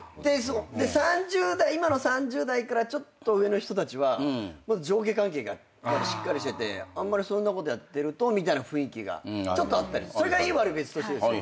で今の３０代からちょっと上の人たちは上下関係がしっかりしててあんまりそんなことやってるとみたいな雰囲気があったりそれがいい悪い別としてですよ。